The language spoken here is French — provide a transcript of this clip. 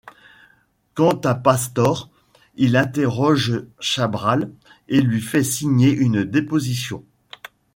Quant à Pastor, il interroge Chabralle et lui fait signer une déposition.